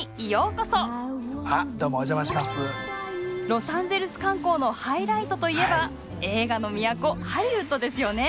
ロサンゼルス観光のハイライトといえば映画の都ハリウッドですよね。